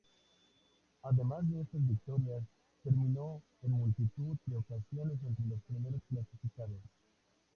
Además de estas victorias, terminó en multitud de ocasiones entre los primeros clasificados.